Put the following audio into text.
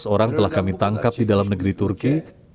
satu tiga ratus orang telah kami tangkap di dalam negeri turki